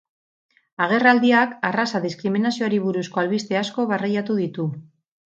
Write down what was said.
Agerraldiak arraza-diskriminazioari buruzko albiste asko barreiatu ditu.